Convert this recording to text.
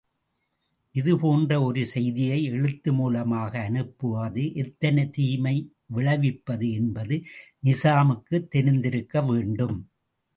இது போன்ற ஒரு செய்தியை, எழுத்து மூலமாக அனுப்புவது எத்தனை தீமை விளைவிப்பது என்ப்து நிசாமுக்குத் தெரிந்திருக்க வேண்டும்.